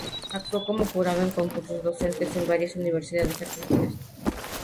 Actuó como jurado en concursos docentes en varias universidades argentinas.